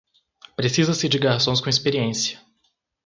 Precisa-se de garçons com experiência.